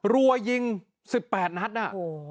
รัวยิง๑๘นัดน่ะ